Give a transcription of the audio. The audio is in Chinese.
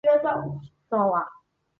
蒙蒂涅。